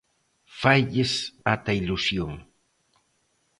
Failles ata ilusión.